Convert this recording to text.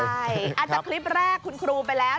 ใช่อาจจะคลิปแรกคุณครูไปแล้ว